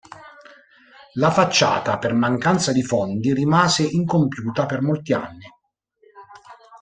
La facciata, per mancanza di fondi rimase incompiuta per molti anni.